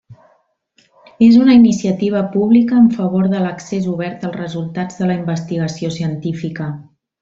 És una iniciativa pública en favor de l'accés obert als resultats de la investigació científica.